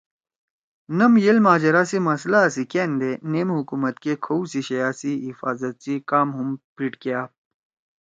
نم یئیل مہاجرا سی مسئلہا سی کأندے نیم حکومت کے کھؤ سی شیئا سی حفاظت سی کام ہُم پیِڑ کے آپ